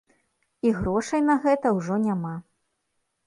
І грошай на гэта ўжо няма.